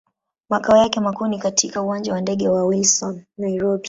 Makao yake makuu ni katika Uwanja wa ndege wa Wilson, Nairobi.